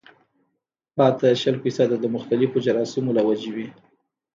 پاتې شل فيصده د مختلفو جراثيمو له وجې وي